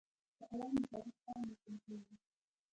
په قلم د تاریخ پاڼې لیکل کېږي.